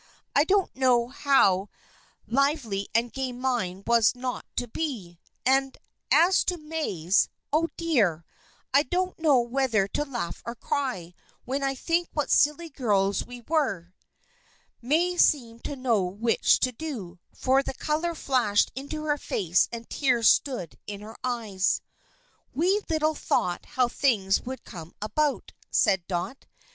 I don't know how lively and gay mine was not to be! And as to May's ah, dear! I don't know whether to laugh or cry when I think what silly girls we were." May seemed to know which to do, for the color flashed into her face and tears stood in her eyes. "We little thought how things would come about," said Dot.